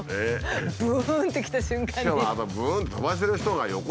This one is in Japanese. ブンって来た瞬間に。